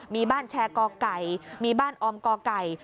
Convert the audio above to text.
มีบ้านแชร์กอไก่มีบ้านออมกไก่